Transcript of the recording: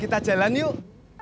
kita jalan yuk